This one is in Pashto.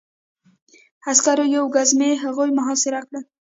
د عسکرو یوې ګزمې هغوی محاصره کړل